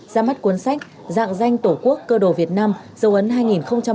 ra mắt cuốn sách dạng danh tổ quốc cơ đồ việt nam dấu ấn hai nghìn hai mươi bốn